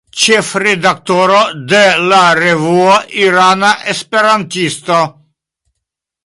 Ĉefredaktoro de la revuo "Irana Esperantisto".